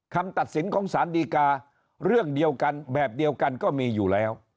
คำตัดสินของสารดีกาเรื่องเดียวกันแบบเดียวกันก็มีอยู่แล้ว